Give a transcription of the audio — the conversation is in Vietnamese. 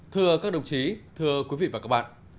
thưa các đồng chí thưa quý vị và các bạn